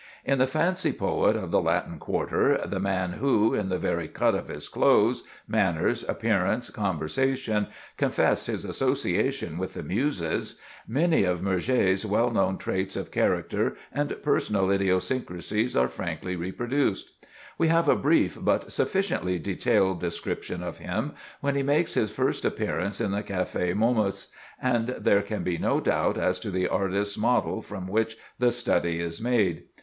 In the fancy poet of the Latin Quarter, the man who, in the very cut of his clothes, manners, appearance, conversation, "confessed his association with the Muses," many of Murger's well known traits of character and personal idiosyncrasies are frankly reproduced. We have a brief but sufficiently detailed description of him when he makes his first appearance in the Café Momus, and there can be no doubt as to the artist's model from which the study is made.